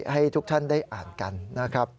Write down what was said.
ให้ทุกท่านได้อ่านกันนะครับ